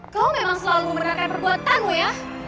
kau memang selalu membenarkan perbuatanmu ya